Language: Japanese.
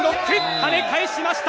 跳ね返しました！